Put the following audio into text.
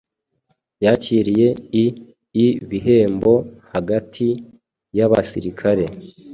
yakiriye i ibihembo hagati yabasirikare